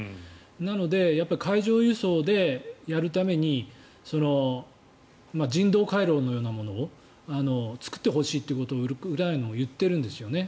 なので、海上輸送でやるために人道回廊のようなものを作ってほしいということをウクライナも言っているんですよね。